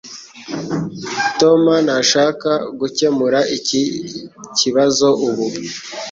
Tom ntashaka gukemura iki kibazo ubu